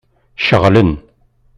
Ceɣlen.